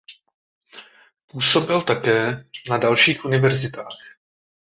Působil také na dalších univerzitách.